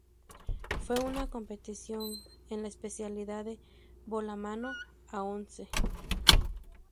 Fue una competición en la especialidad de balonmano a once.